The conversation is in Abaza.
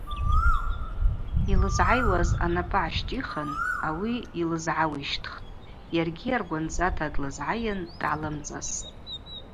Йлызгӏайуаз анапӏы гӏащтӏихын ауи йлызгӏауищтхтӏ, йаргьи аргвандзата длызгӏайын дгӏалымцӏастӏ.